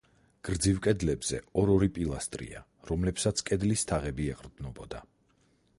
გრძივ კედლებზე ორ-ორი პილასტრია, რომლებსაც კედლის თაღები ეყრდნობოდა.